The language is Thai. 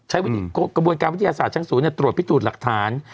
กระบวนการวิทยาศาสตร์ชั้นศูนย์ตรวจพิสูจน์หลักฐาน